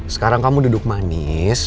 sekarang kamu duduk manis